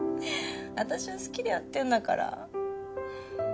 私は好きでやってんだから。